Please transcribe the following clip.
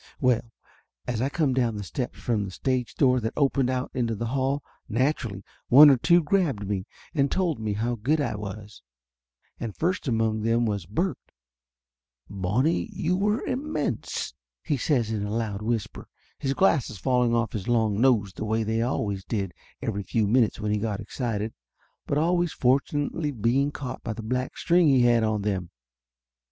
Well, as I come down the steps from the stage door that opened out into the hall, naturally one or two grabbed me and told me how good I was, and first among them of course was Bert. "Bonnie, you were immense!" he says in a loud whisper, his glasses falling off his long nose the way they always did every few minutes when he got ex cited, but always fortunately being caught by the black string he had them on.